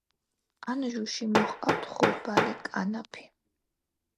ანჟუში მოჰყავთ ხორბალი, კანაფი.